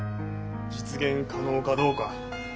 実現可能かどうか。